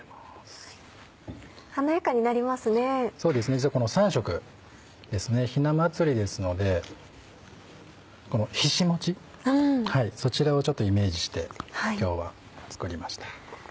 実はこの３色ひな祭りですのでひし餅そちらをちょっとイメージして今日は作りました。